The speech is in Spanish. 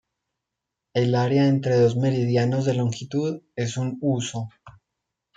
El área entre dos meridianos de longitud es un huso.